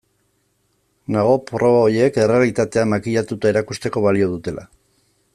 Nago proba horiek errealitatea makillatuta erakusteko balio dutela.